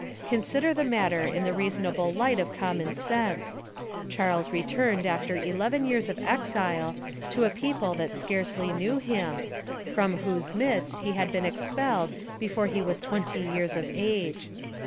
Consider the matter in the rea sonable light of common sense. Charles re turned after eleven years of exile to a people that scarcely knew him, from whose midst he had been expelled before he was twenty years of age.